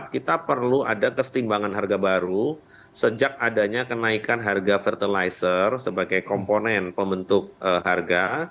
kita perlu ada kesetimbangan harga baru sejak adanya kenaikan harga fertilizer sebagai komponen pembentuk harga